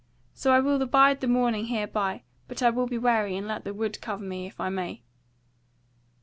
So I will abide the morning hereby; but I will be wary and let the wood cover me if I may."